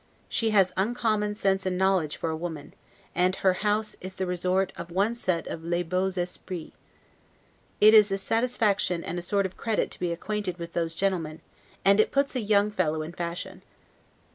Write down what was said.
She has uncommon, sense and knowledge for a woman, and her house is the resort of one set of 'les beaux esprits. It is a satisfaction and a sort of credit to be acquainted with those gentlemen; and it puts a young fellow in fashion.